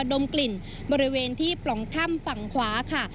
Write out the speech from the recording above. ดมกลิ่นบริเวณที่ปล่องถ้ำฝั่งขวาค่ะ